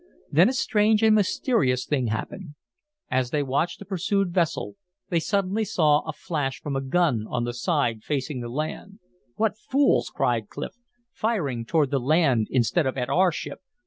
Then a strange and mysterious thing happened. As they watched the pursued vessel they suddenly saw a flash from a gun on the side facing the land. "What fools!" cried Clif. "Firing toward the land instead of at our ship.